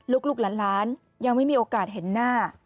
ลูกหลานยังไม่มีโอกาสเห็นหน้า